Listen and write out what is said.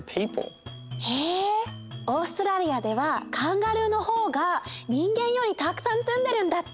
へえオーストラリアではカンガルーのほうが人間よりたくさんすんでるんだって！